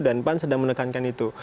dan pan sedang menekankan itu